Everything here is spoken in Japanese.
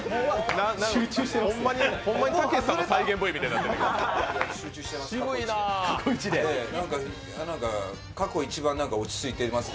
ほんまにたけしさんの再現Ｖみたいになってますね。